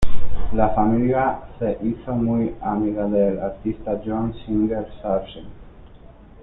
La familia se hizo muy amiga del artista John Singer Sargent.